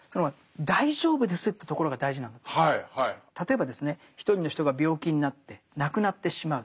例えばですね一人の人が病気になって亡くなってしまう。